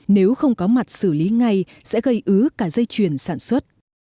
nếu không có mặt xử lý ngay sẽ gây ứ cả dây chuyền sản xuất